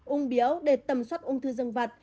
ung biểu để tầm soát ung thư dân vật